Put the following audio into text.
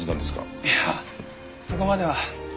いやそこまでは。